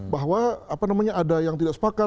bahwa ada yang tidak sepakat